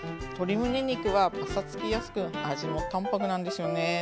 鶏むね肉はパサつきやすく味も淡泊なんですよね。